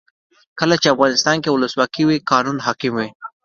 کله چې افغانستان کې ولسواکي وي قانون حاکم وي.